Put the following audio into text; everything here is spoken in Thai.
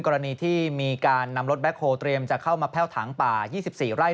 กรณีที่มีการนำรถแบ็คโฮเตรียมจะเข้ามาแพ่วถังป่า๒๔ไร่